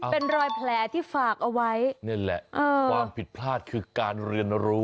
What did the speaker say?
เป็นรอยแผลที่ฝากเอาไว้นี่แหละความผิดพลาดคือการเรียนรู้